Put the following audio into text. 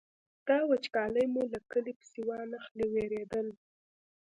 دا وچکالي مو له کلي پسې وانخلي وېرېدل.